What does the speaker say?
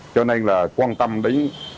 cho nên là quan tâm đến